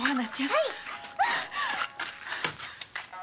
はい。